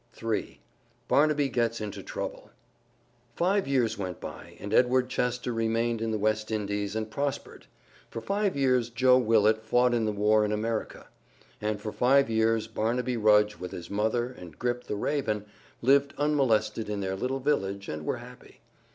III BARNABY GETS INTO TROUBLE Five years went by, and Edward Chester remained in the West Indies and prospered. For five years Joe Willet fought in the war in America. And for five years Barnaby Rudge with his mother and Grip, the raven, lived unmolested in their little village and were happy.